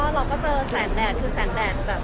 เราก็ต้องได้เกิดแสนแดด